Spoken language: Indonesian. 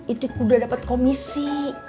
itu udah dapet komisi